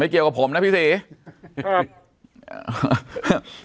เกี่ยวกับผมนะพี่ศรีครับ